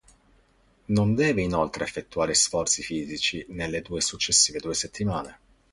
Non deve inoltre effettuare sforzi fisici nelle successive due settimane.